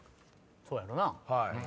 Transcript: そうやろな。